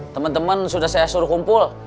teman teman sudah saya suruh kumpul